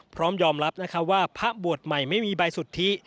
พร้อมยอมรับว่าพระบวชใหม่ไม่มีใบสุทธิ